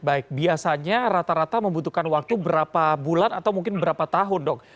baik biasanya rata rata membutuhkan waktu berapa bulan atau mungkin berapa tahun dok